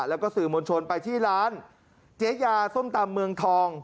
แล้วก็สื่อมวลชนไปที่ร้านเจ๊ยาส้มตำเมืองทอง